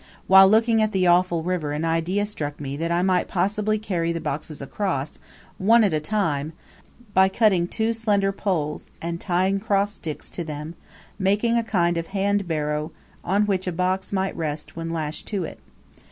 While looking at the awful river an idea struck me that I might possibly carry the boxes across, one at a time, by cutting two slender poles, and tying cross sticks to them, making a kind of hand barrow, on which a box might rest when lashed to it.